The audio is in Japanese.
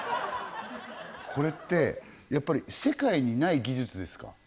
これって世界にない技術ですか？